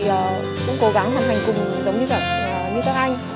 và cũng cố gắng hoàn thành cùng giống như các anh